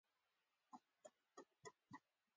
ده وویل خامخا به دا خط راته ښکاره کوې.